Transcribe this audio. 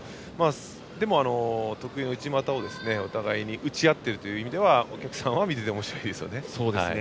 でも、得意の内股をお互いに打ち合っているという意味ではお客さんは見ていておもしろいですよね。